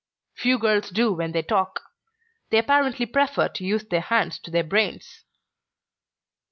"Few girls do when they talk. They apparently prefer to use their hands to their brains."